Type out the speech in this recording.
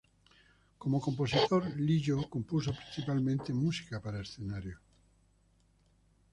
Como compositor, Lillo compuso principalmente música para escenario.